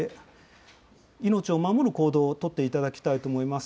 命を守る行動を取っていただきたいと思います。